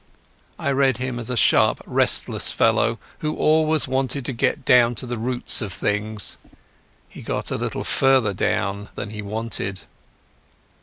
I read him as a sharp, restless fellow, who always wanted to get down to the roots of things. He got a little further down than he wanted.